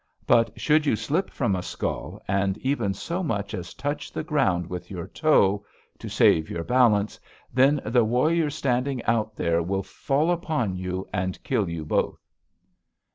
But should you slip from a skull, and even so much as touch the ground with your toe, to save your balance, then the warriors standing out there will fall upon you, and kill you both.'